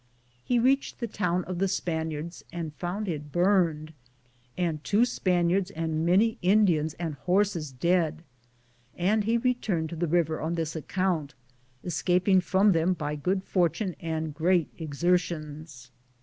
He reached the town of the Spaniards and found it burned and two Spaniards and many Indiana and horses dead, and he returned to the river on this account, escaping from them by good fortune and great exertions.